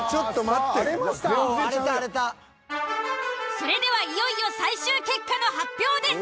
それではいよいよ最終結果の発表です。